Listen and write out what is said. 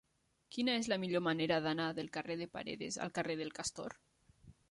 Quina és la millor manera d'anar del carrer de Paredes al carrer del Castor?